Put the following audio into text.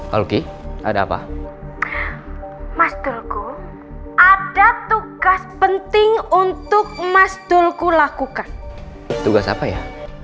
oke ada apa mas dulkul ada tugas penting untuk mas dulkul lakukan tugas apa ya